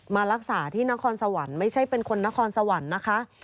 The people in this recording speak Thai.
มารักษาที่นครสวรรค์ไม่ใช่เป็นคนนครสวรรค์นะคะ